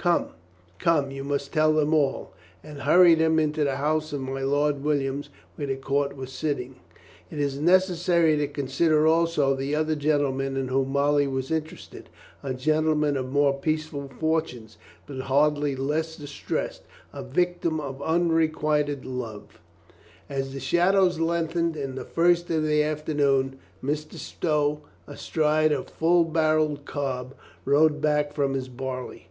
"Come, come, you must tell them all," and hurried him into the house of my Lord Williams, where the court was sitting. It is necessary to consider also the other gentle man in whom Molly was interested, a gentleman of more peaceful fortunes, but hardly less distressed, a victim of unrequited love. A HUSBAND OR SO 421 As the shadows lengthened in the first of the aft ernoon, Mr. Stow, astride a full barreled cob, rode back from his barley.